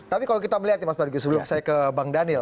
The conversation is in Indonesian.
tapi kalau kita melihat nih mas margi sebelum saya ke bang daniel